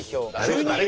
急に？